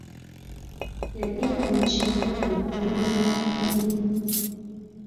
Yagenda mu kibuga okunoonya omulimu.